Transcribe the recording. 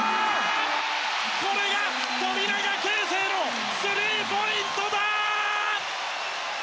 これが富永啓生のスリーポイントだ！